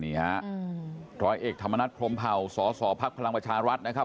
นี่ฮะร้อยเอกธรรมนัฐพรมเผาสสพลังประชารัฐนะครับ